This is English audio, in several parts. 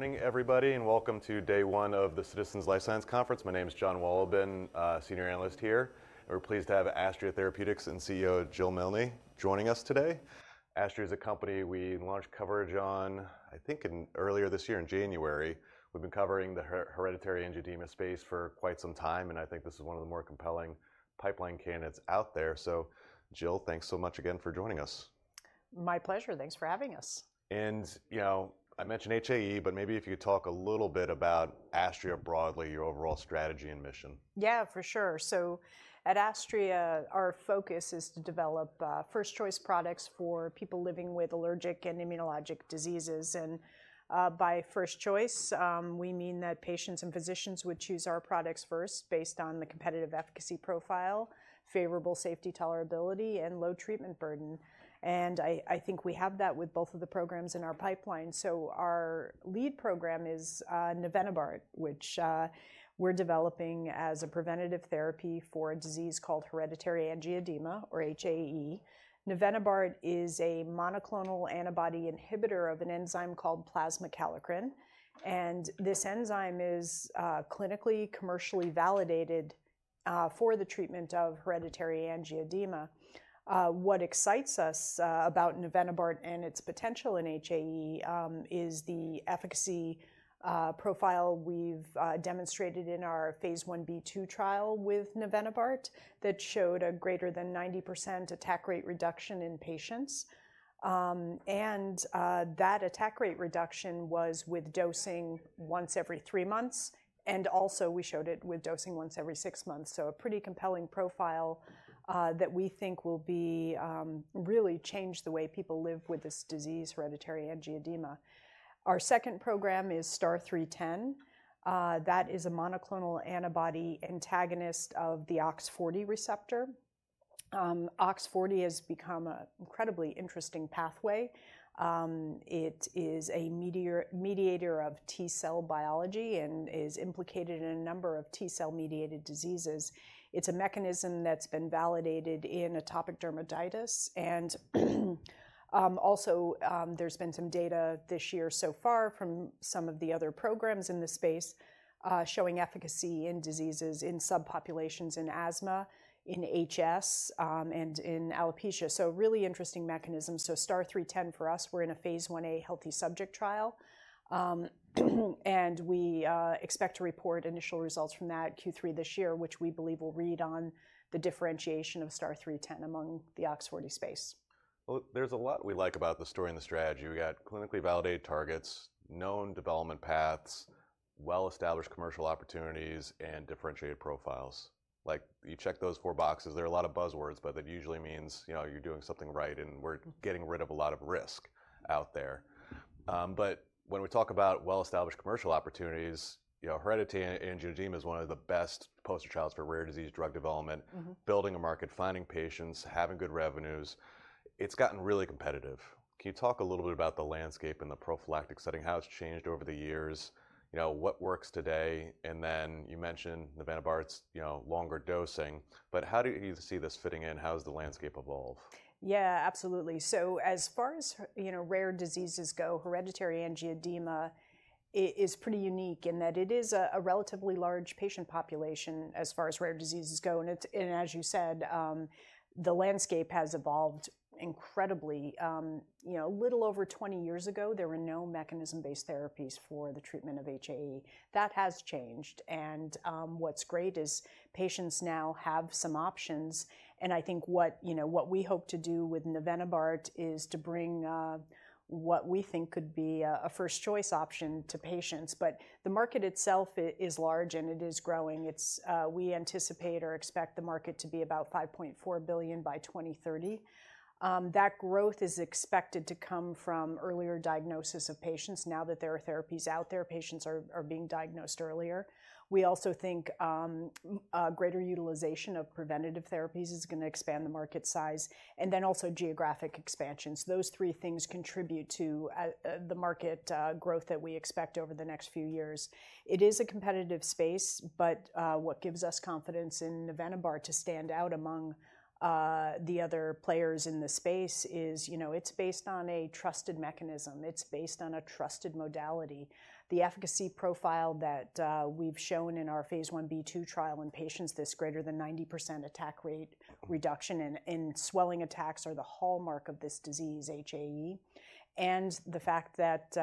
Morning, everybody, and welcome to day one of the Citizens Life Science Conference. My name is Jon Wolleben, Senior Analyst here. We're pleased to have Astria Therapeutics and CEO Jill Milne joining us today. Astria is a company we launched coverage on, I think, earlier this year in January. We've been covering the hereditary angioedema space for quite some time, and I think this is one of the more compelling pipeline candidates out there. Jill, thanks so much again for joining us. My pleasure. Thanks for having us. You know, I mentioned HAE, but maybe if you could talk a little bit about Astria broadly, your overall strategy and mission. Yeah, for sure. At Astria, our focus is to develop first-choice products for people living with allergic and immunologic diseases. By first choice, we mean that patients and physicians would choose our products first based on the competitive efficacy profile, favorable safety tolerability, and low treatment burden. I think we have that with both of the programs in our pipeline. Our lead program is Navenibart, which we're developing as a preventative therapy for a disease called hereditary angioedema, or HAE. Navenibart is a monoclonal antibody inhibitor of an enzyme called plasma kallikrein. This enzyme is clinically commercially validated for the treatment of hereditary angioedema. What excites us about Navenibart and its potential in HAE is the efficacy profile we've demonstrated in our phase 1b/2 trial with Navenibart that showed a greater than 90% attack rate reduction in patients. That attack rate reduction was with dosing once every three months, and also we showed it with dosing once every six months. A pretty compelling profile that we think will really change the way people live with this disease, hereditary angioedema. Our second program is STAR-0310. That is a monoclonal antibody antagonist of the OX40 receptor. OX40 has become an incredibly interesting pathway. It is a mediator of T cell biology and is implicated in a number of T cell-mediated diseases. It's a mechanism that's been validated in atopic dermatitis. Also, there's been some data this year so far from some of the other programs in the space showing efficacy in diseases in subpopulations in asthma, in HS, and in alopecia. Really interesting mechanism. STAR-0310 for us, we're in a phase 1a healthy subject trial, and we expect to report initial results from that Q3 this year, which we believe will read on the differentiation of STAR-0310 among the OX40 space. There's a lot we like about the story and the strategy. We've got clinically validated targets, known development paths, well-established commercial opportunities, and differentiated profiles. Like, you check those four boxes. There are a lot of buzzwords, but that usually means, you know, you're doing something right, and we're getting rid of a lot of risk out there. When we talk about well-established commercial opportunities, you know, hereditary angioedema is one of the best poster child for rare disease drug development, building a market, finding patients, having good revenues. It's gotten really competitive. Can you talk a little bit about the landscape in the prophylactic setting, how it's changed over the years, you know, what works today? You mentioned Navenibart's, you know, longer dosing. How do you see this fitting in? How does the landscape evolve? Yeah, absolutely. As far as, you know, rare diseases go, hereditary angioedema is pretty unique in that it is a relatively large patient population as far as rare diseases go. You know, as you said, the landscape has evolved incredibly. A little over 20 years ago, there were no mechanism-based therapies for the treatment of HAE. That has changed. What's great is patients now have some options. I think what, you know, what we hope to do with Navenibart is to bring what we think could be a first-choice option to patients. The market itself is large, and it is growing. We anticipate or expect the market to be about $5.4 billion by 2030. That growth is expected to come from earlier diagnosis of patients. Now that there are therapies out there, patients are being diagnosed earlier. We also think greater utilization of preventative therapies is going to expand the market size. Also, geographic expansion. Those three things contribute to the market growth that we expect over the next few years. It is a competitive space, but what gives us confidence in Navenibart to stand out among the other players in the space is, you know, it is based on a trusted mechanism. It is based on a trusted modality. The efficacy profile that we have shown in our phase 1b/2 trial in patients is greater than 90% attack rate reduction, and swelling attacks are the hallmark of this disease, HAE. The fact that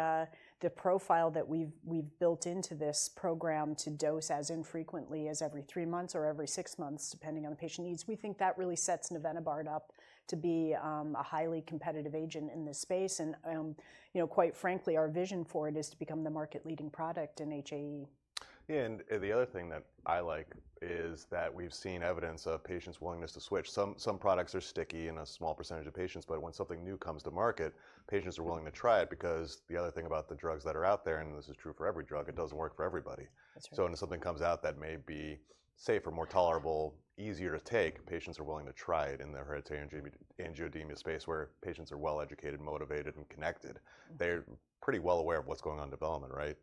the profile that we have built into this program to dose as infrequently as every three months or every six months, depending on the patient needs, we think that really sets Navenibart up to be a highly competitive agent in this space. You know, quite frankly, our vision for it is to become the market-leading product in HAE. Yeah. The other thing that I like is that we've seen evidence of patients' willingness to switch. Some products are sticky in a small percentage of patients, but when something new comes to market, patients are willing to try it because the other thing about the drugs that are out there, and this is true for every drug, it doesn't work for everybody. That's right. When something comes out that may be safer, more tolerable, easier to take, patients are willing to try it in the hereditary angioedema space where patients are well-educated, motivated, and connected. They're pretty well aware of what's going on in development, right?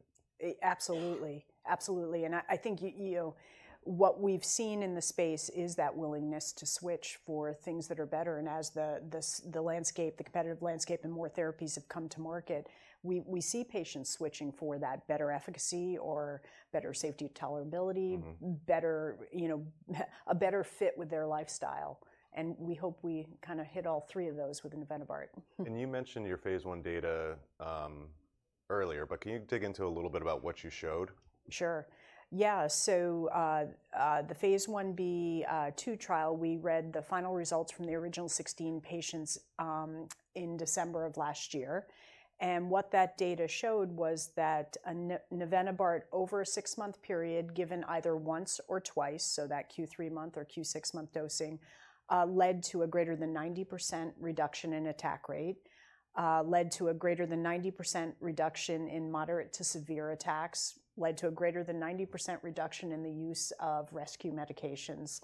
Absolutely. Absolutely. I think, you know, what we've seen in the space is that willingness to switch for things that are better. As the landscape, the competitive landscape and more therapies have come to market, we see patients switching for that better efficacy or better safety tolerability, better, you know, a better fit with their lifestyle. We hope we kind of hit all three of those with Navenibart. You mentioned your phase 1 data earlier, but can you dig into a little bit about what you showed? Sure. Yeah. The phase 1b/2 trial, we read the final results from the original 16 patients in December of last year. What that data showed was that Navenibart over a six-month period, given either once or twice, so that Q3 month or Q6 month dosing, led to a greater than 90% reduction in attack rate, led to a greater than 90% reduction in moderate to severe attacks, led to a greater than 90% reduction in the use of rescue medications,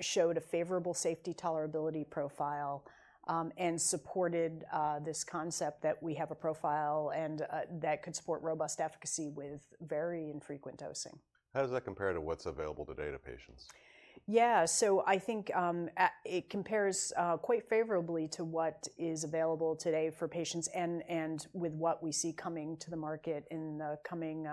showed a favorable safety tolerability profile, and supported this concept that we have a profile and that could support robust efficacy with very infrequent dosing. How does that compare to what's available today to patients? Yeah. I think it compares quite favorably to what is available today for patients and with what we see coming to the market in the coming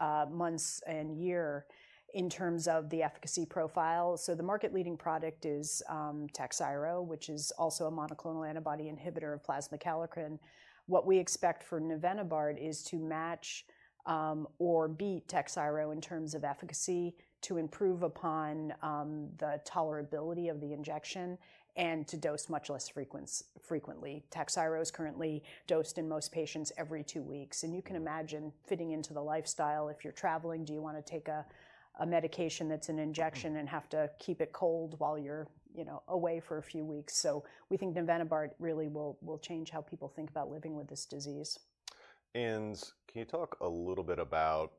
months and year in terms of the efficacy profile. The market-leading product is Takhzyro, which is also a monoclonal antibody inhibitor of plasma kallikrein. What we expect for Navenibart is to match or beat Takhzyro in terms of efficacy, to improve upon the tolerability of the injection, and to dose much less frequently. Takhzyro is currently dosed in most patients every two weeks. You can imagine fitting into the lifestyle. If you're traveling, do you want to take a medication that's an injection and have to keep it cold while you're, you know, away for a few weeks? We think Navenibart really will change how people think about living with this disease. Can you talk a little bit about,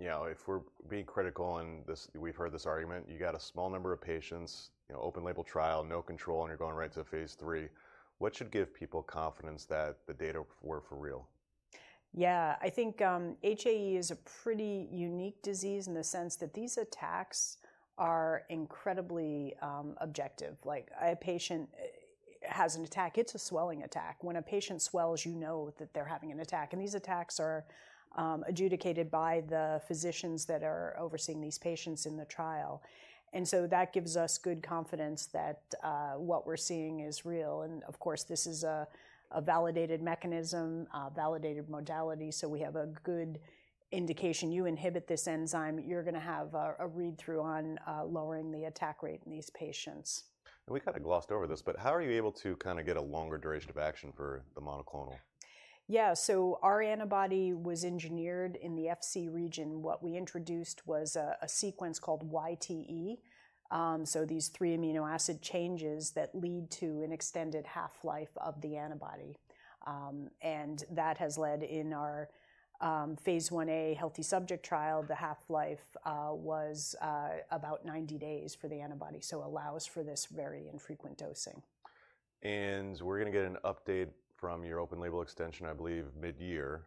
you know, if we're being critical and we've heard this argument, you've got a small number of patients, you know, open label trial, no control, and you're going right to phase 3. What should give people confidence that the data were for real? Yeah. I think HAE is a pretty unique disease in the sense that these attacks are incredibly objective. Like, a patient has an attack. It's a swelling attack. When a patient swells, you know that they're having an attack. These attacks are adjudicated by the physicians that are overseeing these patients in the trial. That gives us good confidence that what we're seeing is real. Of course, this is a validated mechanism, a validated modality. We have a good indication you inhibit this enzyme, you're going to have a read-through on lowering the attack rate in these patients. We kind of glossed over this, but how are you able to kind of get a longer duration of action for the monoclonal? Yeah. Our antibody was engineered in the FC region. What we introduced was a sequence called YTE. These three amino acid changes lead to an extended half-life of the antibody. That has led, in our phase 1a healthy subject trial, to the half-life being about 90 days for the antibody. It allows for this very infrequent dosing. We're going to get an update from your open label extension, I believe, mid-year.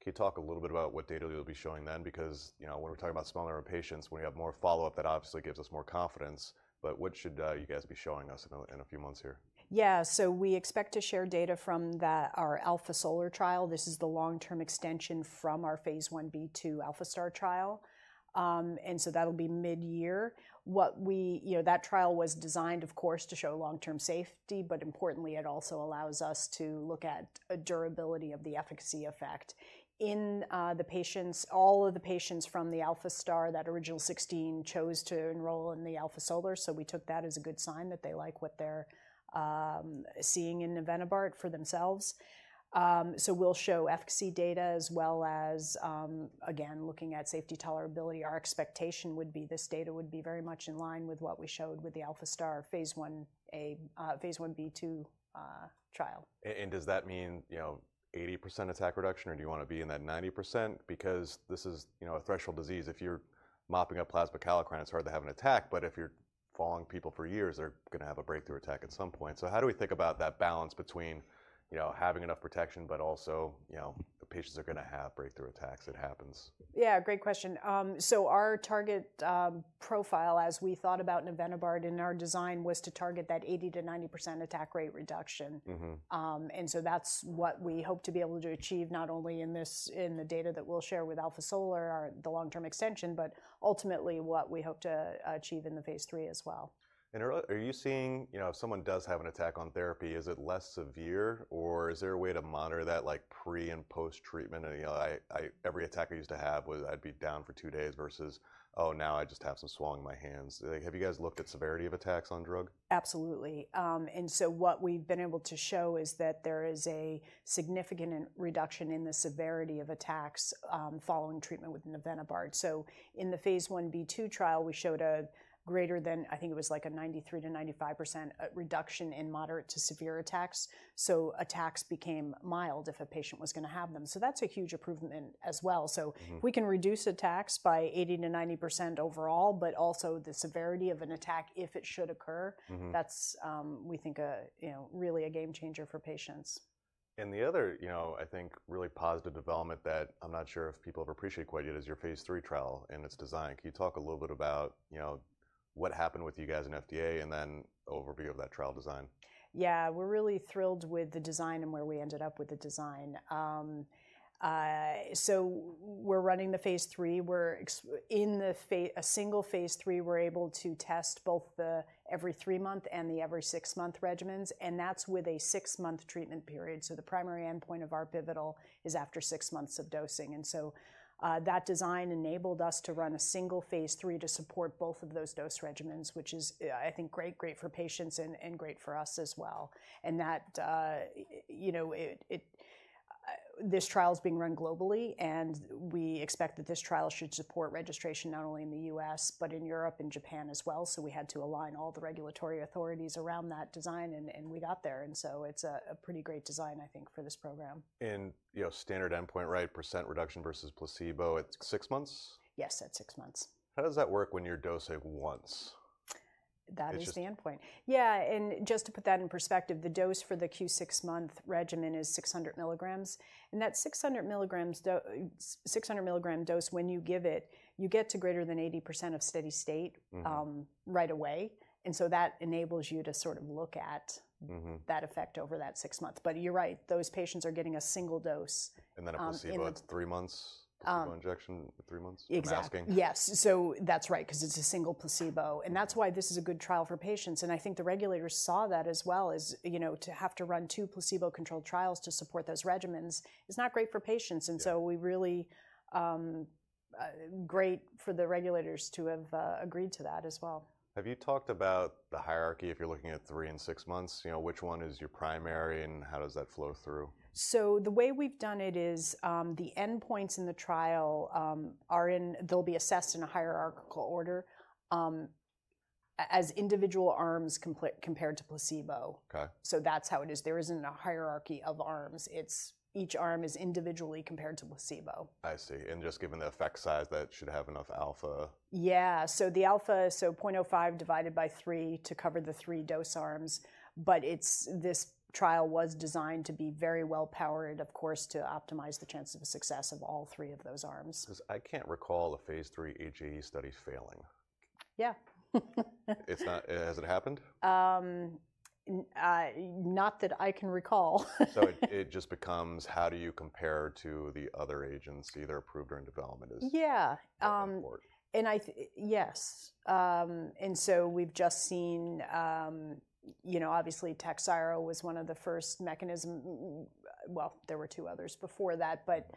Can you talk a little bit about what data you'll be showing then? Because, you know, when we're talking about smaller patients, when you have more follow-up, that obviously gives us more confidence. What should you guys be showing us in a few months here? Yeah. So, we expect to share data from our AlphaSolar trial. This is the long-term extension from our phase 1b/2 AlphaStar trial. That will be mid-year. What we, you know, that trial was designed, of course, to show long-term safety, but importantly, it also allows us to look at a durability of the efficacy effect in the patients. All of the patients from the AlphaStar, that original 16, chose to enroll in the AlphaSolar. We took that as a good sign that they like what they're seeing in Navenibart for themselves. We'll show efficacy data as well as, again, looking at safety tolerability. Our expectation would be this data would be very much in line with what we showed with the AlphaStar phase 1b/2 trial. Does that mean, you know, 80% attack reduction, or do you want to be in that 90%? Because this is, you know, a threshold disease. If you're mopping up plasma kallikrein, it's hard to have an attack. If you're following people for years, they're going to have a breakthrough attack at some point. How do we think about that balance between, you know, having enough protection, but also, you know, the patients are going to have breakthrough attacks? It happens. Yeah. Great question. Our target profile, as we thought about Navenibart in our design, was to target that 80-90% attack rate reduction. That is what we hope to be able to achieve, not only in this, in the data that we will share with AlphaSolar, the long-term extension, but ultimately what we hope to achieve in the phase three as well. Are you seeing, you know, if someone does have an attack on therapy, is it less severe? Or is there a way to monitor that, like, pre and post-treatment? You know, every attack I used to have, I'd be down for two days versus, oh, now I just have some swelling in my hands. Have you guys looked at severity of attacks on drug? Absolutely. What we've been able to show is that there is a significant reduction in the severity of attacks following treatment with Navenibart. In the phase 1b/2 trial, we showed a greater than, I think it was like a 93%-95% reduction in moderate to severe attacks. Attacks became mild if a patient was going to have them. That's a huge improvement as well. We can reduce attacks by 80%-90% overall, but also the severity of an attack if it should occur. That's, we think, you know, really a game changer for patients. The other, you know, I think really positive development that I'm not sure if people have appreciated quite yet is your phase 3 trial and its design. Can you talk a little bit about, you know, what happened with you guys and FDA and then overview of that trial design? Yeah. We're really thrilled with the design and where we ended up with the design. We're running the phase 3. We're in the single phase 3, we're able to test both the every three-month and the every six-month regimens. That's with a six-month treatment period. The primary endpoint of our pivotal is after six months of dosing. That design enabled us to run a single phase 3 to support both of those dose regimens, which is, I think, great, great for patients and great for us as well. You know, this trial is being run globally, and we expect that this trial should support registration not only in the U.S., but in Europe and Japan as well. We had to align all the regulatory authorities around that design, and we got there. It's a pretty great design, I think, for this program. You know, standard endpoint, right? Percent reduction versus placebo at six months? Yes, at six months. How does that work when you're dosing once? That is the endpoint. Yeah. And just to put that in perspective, the dose for the Q6 month regimen is 600 mg. And that 600 mg dose, when you give it, you get to greater than 80% of steady state right away. And so, that enables you to sort of look at that effect over that six months. But you're right, those patients are getting a single dose. A placebo at three months? Injection at three months? Exactly. Yes. That's right, because it's a single placebo. That's why this is a good trial for patients. I think the regulators saw that as well, you know, to have to run two placebo-controlled trials to support those regimens is not great for patients. We really, great for the regulators to have agreed to that as well. Have you talked about the hierarchy if you're looking at three and six months? You know, which one is your primary and how does that flow through? The way we've done it is the endpoints in the trial are in, they'll be assessed in a hierarchical order as individual arms compared to placebo. That's how it is. There isn't a hierarchy of arms. Each arm is individually compared to placebo. I see. Just given the effect size, that should have enough alpha. Yeah. The alpha, so 0.05 divided by three to cover the three dose arms. This trial was designed to be very well powered, of course, to optimize the chance of success of all three of those arms. Because I can't recall a phase 3 HAE study failing. Yeah. Has it happened? Not that I can recall. It just becomes how do you compare to the other agents either approved or in development? Yeah. And I, yes. And so, we've just seen, you know, obviously Takhzyro was one of the first mechanisms. Well, there were two others before that, but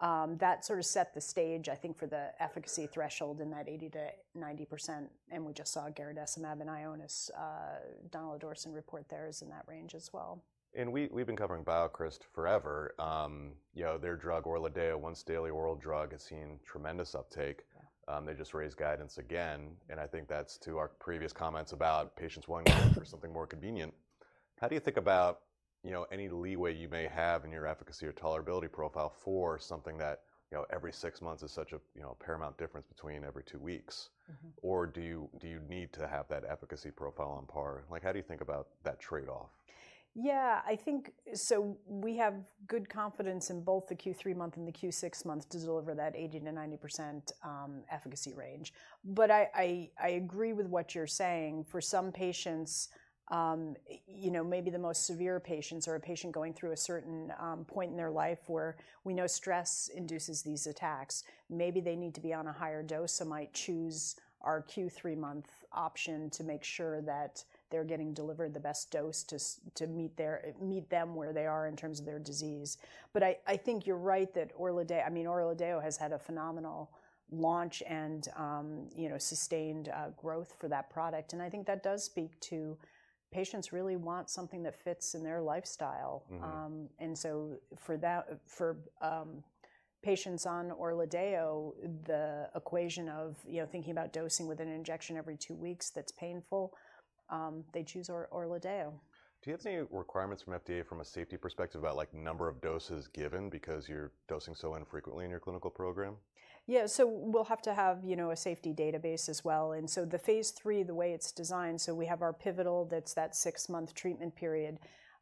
that sort of set the stage, I think, for the efficacy threshold in that 80%-90%. And we just saw Garadacimab and Ionis donidalorsen report theirs in that range as well. We have been covering BioCryst forever. You know, their drug, Orladeyo, once daily oral drug, has seen tremendous uptake. They just raised guidance again. I think that is to our previous comments about patients wanting something more convenient. How do you think about, you know, any leeway you may have in your efficacy or tolerability profile for something that, you know, every six months is such a, you know, paramount difference between every two weeks? Or do you need to have that efficacy profile on par? Like, how do you think about that trade-off? Yeah. I think, so we have good confidence in both the Q3 month and the Q6 month to deliver that 80%-90% efficacy range. I agree with what you're saying. For some patients, you know, maybe the most severe patients or a patient going through a certain point in their life where we know stress induces these attacks, maybe they need to be on a higher dose and might choose our Q3 month option to make sure that they're getting delivered the best dose to meet them where they are in terms of their disease. I think you're right that Orladeyo, I mean, Orladeyo has had a phenomenal launch and, you know, sustained growth for that product. I think that does speak to patients really want something that fits in their lifestyle. For patients on Orladeyo, the equation of, you know, thinking about dosing with an injection every two weeks that's painful, they choose Orladeyo. Do you have any requirements from FDA from a safety perspective about, like, number of doses given because you're dosing so infrequently in your clinical program? Yeah. So, we'll have to have, you know, a safety database as well. The phase three, the way it's designed, we have our pivotal that's that six-month treatment period.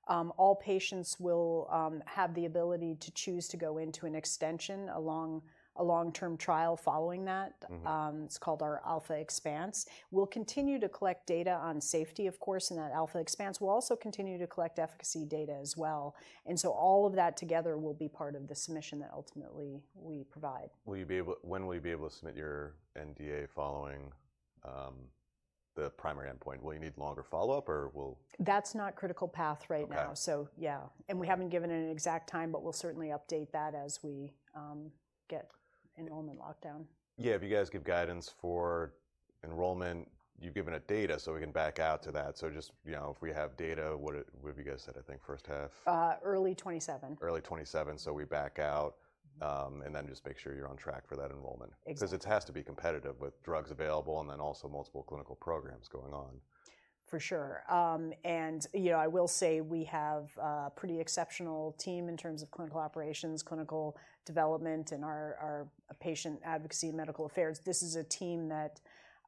All patients will have the ability to choose to go into an extension, a long-term trial following that. It's called our Alpha Expanse. We'll continue to collect data on safety, of course, in that Alpha Expanse. We'll also continue to collect efficacy data as well. All of that together will be part of the submission that ultimately we provide. Will you be able, when will you be able to submit your NDA following the primary endpoint? Will you need longer follow-up or will? That's not critical path right now. Yeah. We haven't given an exact time, but we'll certainly update that as we get enrollment locked down. Yeah. If you guys give guidance for enrollment, you've given a data so we can back out to that. Just, you know, if we have data, what have you guys said, I think first half? Early '27. Early 2027. We back out and then just make sure you're on track for that enrollment. Because it has to be competitive with drugs available and then also multiple clinical programs going on. For sure. You know, I will say we have a pretty exceptional team in terms of clinical operations, clinical development, and our patient advocacy and medical affairs. This is a team that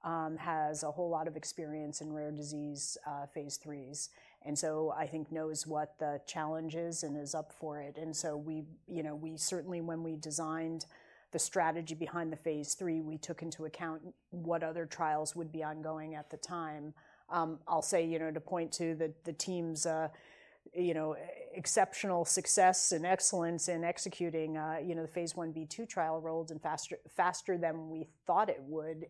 has a whole lot of experience in rare disease phase threes. I think knows what the challenge is and is up for it. We certainly, when we designed the strategy behind the phase three, took into account what other trials would be ongoing at the time. I'll say, to point to the team's exceptional success and excellence in executing, the phase 1b/2 trial rolled in faster than we thought it would.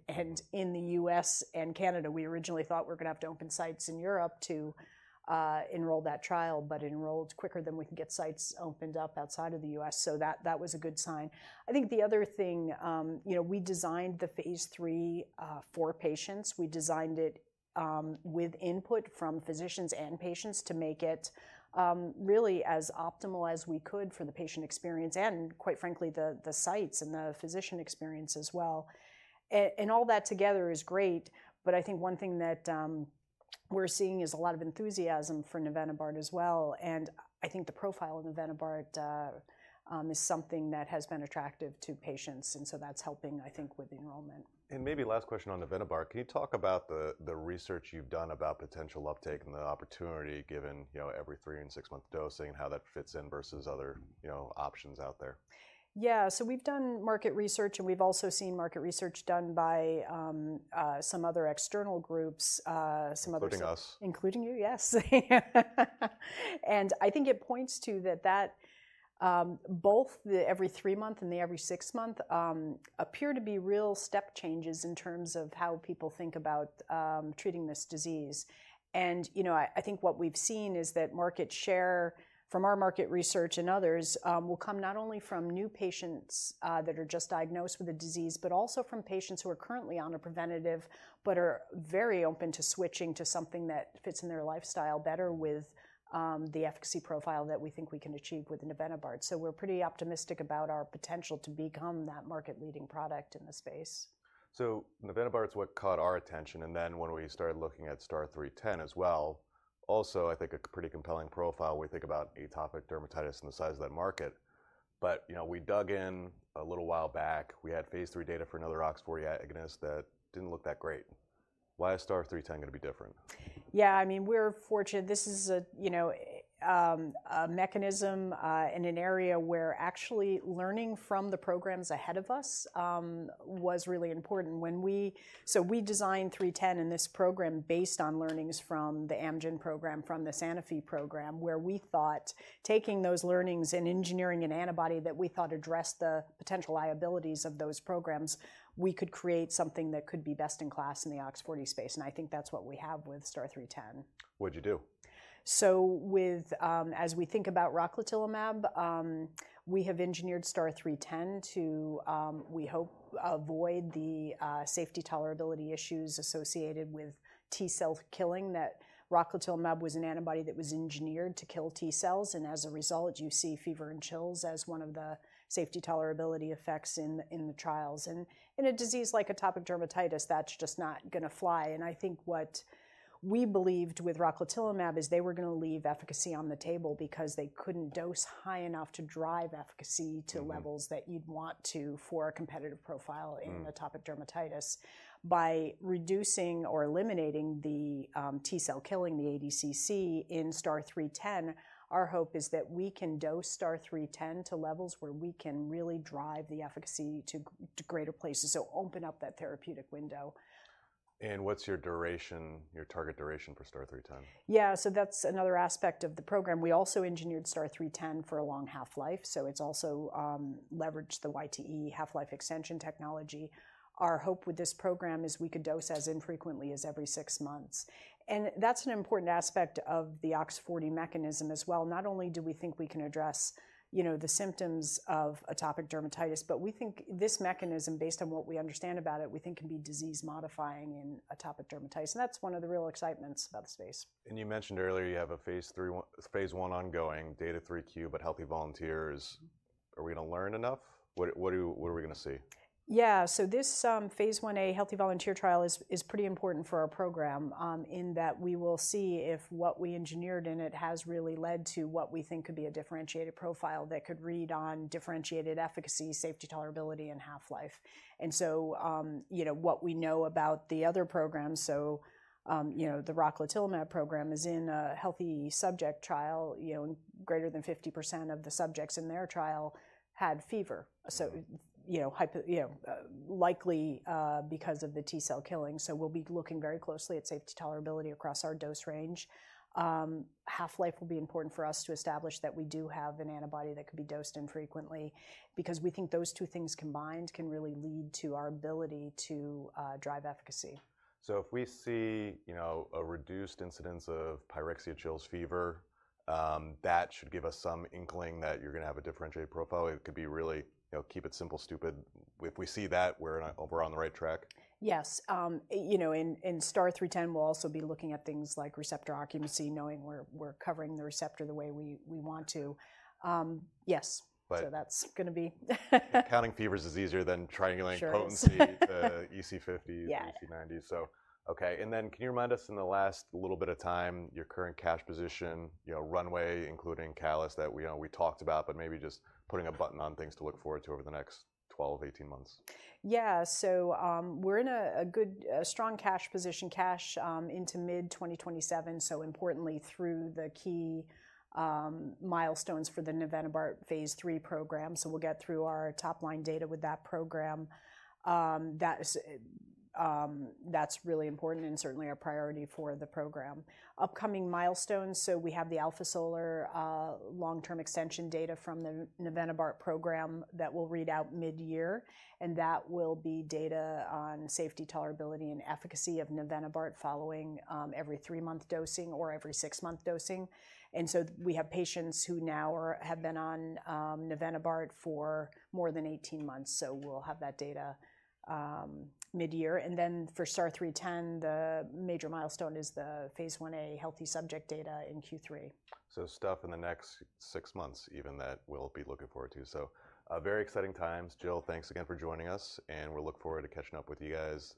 In the U.S. and Canada, we originally thought we were going to have to open sites in Europe to enroll that trial, but enrolled quicker than we can get sites opened up outside of the U.S. That was a good sign. I think the other thing, you know, we designed the phase three for patients. We designed it with input from physicians and patients to make it really as optimal as we could for the patient experience and, quite frankly, the sites and the physician experience as well. All that together is great. I think one thing that we're seeing is a lot of enthusiasm for Navenibart as well. I think the profile of Navenibart is something that has been attractive to patients. That is helping, I think, with enrollment. Maybe last question on Navenibart. Can you talk about the research you've done about potential uptake and the opportunity given, you know, every three- and six-month dosing and how that fits in versus other, you know, options out there? Yeah. So, we've done market research and we've also seen market research done by some other external groups. Including us. Including you, yes. I think it points to that that both the every three-month and the every six-month appear to be real step changes in terms of how people think about treating this disease. You know, I think what we've seen is that market share from our market research and others will come not only from new patients that are just diagnosed with the disease, but also from patients who are currently on a preventative, but are very open to switching to something that fits in their lifestyle better with the efficacy profile that we think we can achieve with Navenibart. We're pretty optimistic about our potential to become that market-leading product in the space. Navenibart what caught our attention. And then when we started looking at STAR-0310 as well, also, I think a pretty compelling profile. We think about atopic dermatitis and the size of that market. But, you know, we dug in a little while back. We had phase 3 data for another OX40 agonist that didn't look that great. Why is STAR-0310 going to be different? Yeah. I mean, we're fortunate. This is a, you know, a mechanism in an area where actually learning from the programs ahead of us was really important. When we, so we designed 310 and this program based on learnings from the Amgen program, from the Sanofi program, where we thought taking those learnings and engineering an antibody that we thought addressed the potential liabilities of those programs, we could create something that could be best in class in the OX40 space. I think that's what we have with STAR-0310. What'd you do? As we think about rocatinlimab, we have engineered STAR-0310 to, we hope, avoid the safety tolerability issues associated with T cell killing. Rocatinlimab was an antibody that was engineered to killer T cells. As a result, you see fever and chills as one of the safety tolerability effects in the trials. In a disease like atopic dermatitis, that's just not going to fly. I think what we believed with rocatinlimab is they were going to leave efficacy on the table because they couldn't dose high enough to drive efficacy to levels that you'd want to for a competitive profile in atopic dermatitis. By reducing or eliminating the T cell killing, the ADCC, in STAR-0310, our hope is that we can dose STAR-0310 to levels where we can really drive the efficacy to greater places. Open up that therapeutic window. What's your duration, your target duration for STAR-0310? Yeah. That is another aspect of the program. We also engineered STAR-0310 for a long half-life. It also leverages the YTE half-life extension technology. Our hope with this program is we could dose as infrequently as every six months. That is an important aspect of the OX40 mechanism as well. Not only do we think we can address, you know, the symptoms of atopic dermatitis, but we think this mechanism, based on what we understand about it, we think can be disease modifying in atopic dermatitis. That is one of the real excitements about the space. You mentioned earlier you have a phase one ongoing, data three Q, but healthy volunteers. Are we going to learn enough? What are we going to see? Yeah. So, this phase 1a healthy volunteer trial is pretty important for our program in that we will see if what we engineered in it has really led to what we think could be a differentiated profile that could read on differentiated efficacy, safety, tolerability, and half-life. You know, what we know about the other programs, the rocatinlimab program is in a healthy subject trial, greater than 50% of the subjects in their trial had fever. You know, likely because of the T cell killing. We will be looking very closely at safety, tolerability across our dose range. Half-life will be important for us to establish that we do have an antibody that could be dosed infrequently because we think those two things combined can really lead to our ability to drive efficacy. If we see, you know, a reduced incidence of pyrexia, chills, fever, that should give us some inkling that you're going to have a differentiated profile. It could be really, you know, keep it simple, stupid. If we see that, we're on the right track? Yes. You know, in STAR-0310, we'll also be looking at things like receptor occupancy, knowing we're covering the receptor the way we want to. Yes. So, that's going to be. Counting fevers is easier than triangulating potency to EC50s and EC90s. Okay. Can you remind us in the last little bit of time, your current cash position, you know, runway, including callus that, you know, we talked about, but maybe just putting a button on things to look forward to over the next 12-18 months? Yeah. So, we're in a good, strong cash position, cash into mid-2027. Importantly, through the key milestones for the Navenibart phase 3 program. We'll get through our top line data with that program. That's really important and certainly a priority for the program. Upcoming milestones. We have the Alpha Solar long-term extension data from the Navenibart program that will read out mid-year. That will be data on safety, tolerability, and efficacy of Navenibart following every three-month dosing or every six-month dosing. We have patients who now have been on Navenibart for more than 18 months. We'll have that data mid-year. For STAR-0310, the major milestone is the phase 1a healthy subject data in Q3. Stuff in the next six months even that we'll be looking forward to. Very exciting times. Jill, thanks again for joining us. We'll look forward to catching up with you guys.